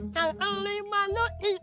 jangan kelima lu dikira